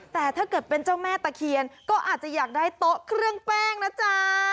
แต่ถ้าเกิดเป็นเจ้าแม่ตะเคียนก็อาจจะอยากได้โต๊ะเครื่องแป้งนะจ๊ะ